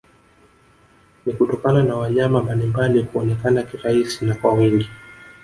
Ni kutokana na wanyama mbalimbali kuonekana kirahisi na kwa wingi